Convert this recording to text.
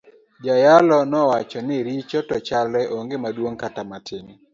Jayalo nowacho ni richo te chalre onge maduong kata matin.